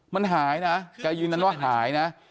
มันหายนะแกยืนยันว่าหายนะ